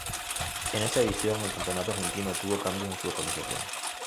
En esta edición el campeonato argentino tuvo cambios en su organización.